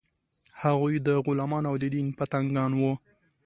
هغوی د غلمانو او د دین پتنګان وو.